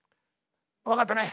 分かったね？